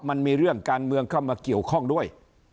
มันมีเรื่องการเมืองเข้ามาเกี่ยวข้องด้วย